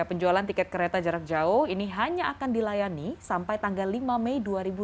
penjualan tiket kereta jarak jauh ini hanya akan dilayani sampai tanggal lima mei dua ribu dua puluh